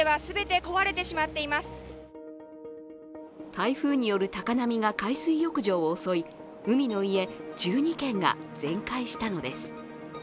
台風による高波が海水浴場を襲い海の家１２軒が全壊したのです。